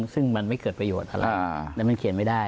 ซึ่งมันไม่เกิดประโยชน์อะไรแล้วมันเขียนไม่ได้